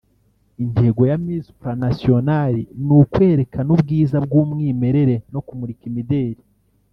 Intego ya Miss Supranational ni ukwerekana ubwiza bw’umwimerere no kumurika imideli